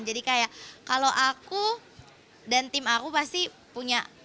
jadi kayak kalau aku dan tim aku pasti punya servis